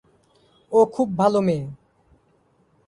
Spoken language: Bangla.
ও খুব ভালো মেয়ে।